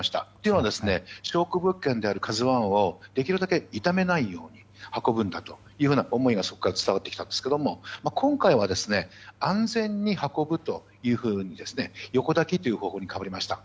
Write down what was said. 今は証拠物件である「ＫＡＺＵ１」をできるだけ痛めないように運ぶんだという思いがそこから伝わってきたんですが今回は安全に運ぶということで横抱きという方法に変わりました。